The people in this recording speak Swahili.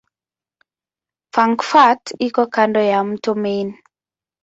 Frankfurt iko kando la mto Main.